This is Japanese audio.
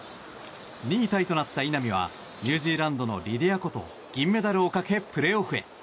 ２位タイとなった稲見はニュージーランドのリディア・コと銀メダルをかけプレーオフへ。